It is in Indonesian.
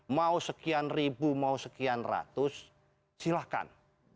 mau sekian ribu mau sekian ratus silahkan